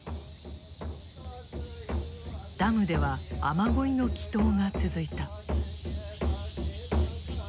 ダムでは雨乞いの祈とうが続いた。